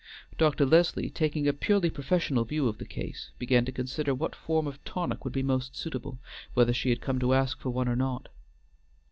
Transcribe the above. Dr. Leslie, taking a purely professional view of the case, began to consider what form of tonic would be most suitable, whether she had come to ask for one or not.